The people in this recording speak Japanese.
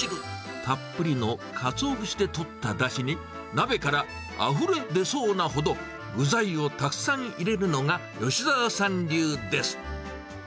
たっぷりのかつお節でとっただしに、鍋からあふれ出そうなほど具材をたくさん入れるのが吉澤さん流です。